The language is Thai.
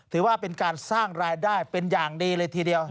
ถือว่าเป็นการสร้างรายได้เป็นอย่างดีเลยทีเดียว